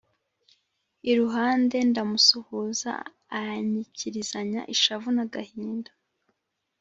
iruhande ndamusuhuza anyikirizanya ishavu n’agahinda.